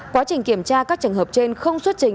quá trình kiểm tra các trường hợp trên không xuất trình